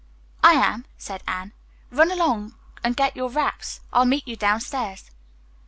"I am," said Anne. "Run along and get your wraps. I'll meet you downstairs."